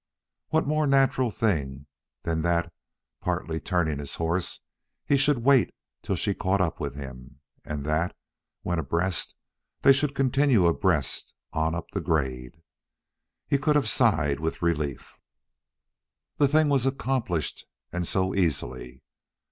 What more natural thing than that, partly turning his horse, he should wait till she caught up with him; and that, when abreast they should continue abreast on up the grade? He could have sighed with relief. The thing was accomplished, and so easily.